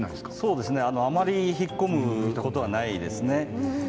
そうですねあまり引っ込むということはないですね。